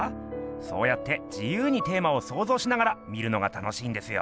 そうやって自由にテーマをそうぞうしながら見るのが楽しいんですよ。